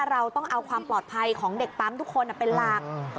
เราต้องเอาความปลอดภัยของเด็กปั๊มทุกคนเป็นหลัก